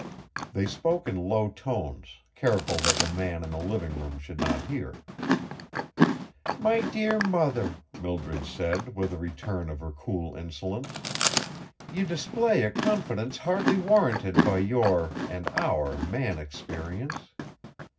They spoke in low tones, careful that the man in the living room should not hear. "My dear mother," Mildred said, with a return of her cool insolence, "you display a confidence hardly warranted by your and our man experience."